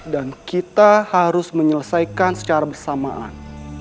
dan kita harus menyelesaikan secara bersamaan